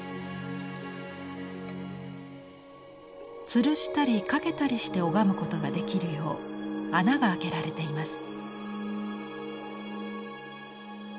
つるしたり掛けたりして拝むことができるよう穴が開けられています。